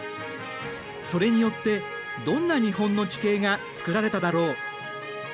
それによってどんな日本の地形が作られただろう。